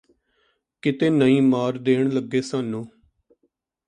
ਕਿਤੇ ਨਈਂ ਮਾਰ ਦੇਣ ਲੱਗੇ ਸਾਨੂੰ